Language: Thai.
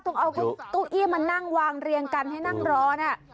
ต้องเอาเก้าอี้มานั่งวางเรียงกันให้นั่งรอนะ